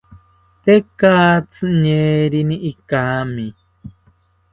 Tekatzi ñeerini ikami